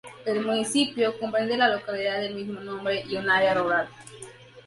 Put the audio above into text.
El municipio comprende la localidad del mismo nombre y un área rural.